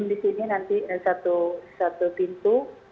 di sini nanti satu pintu